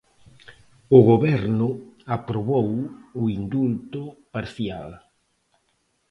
O Goberno aprobou o indulto parcial.